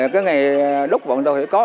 cái nghề đúc vận đồ thì có